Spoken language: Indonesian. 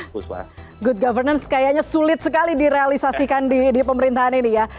buswa good governance kayaknya sulit sekali direalisasikan di pemerintahan ini ya